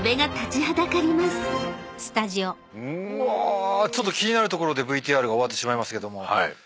うわちょっと気になる所でＶＴＲが終わってしまいましたけど。